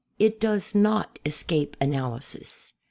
It does not escape analysis.